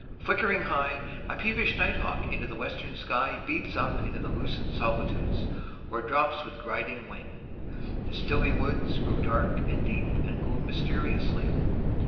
Flickering high,5A peevish night hawk in the western sky6Beats up into the lucent solitudes,7Or drops with griding wing. The stilly woods8Grow dark and deep, and gloom mysteriously.